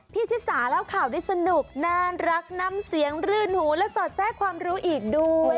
พี่ชิสาเล่าข่าวสนุกนะรักนำเสียงรื่นหู้และศอดแซ่คความรู้ดู